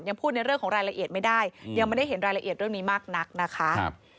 พูดในเรื่องของรายละเอียดไม่ได้ยังไม่ได้เห็นรายละเอียดเรื่องนี้มากนักนะคะ